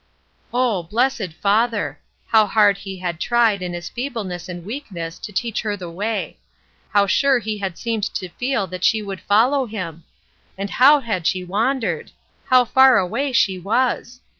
Oh, blessed father! How hard he had tried in his feebleness and weakness to teach her the way! How sure he had seemed to feel that she would follow him! And how had she wandered! How far away she was!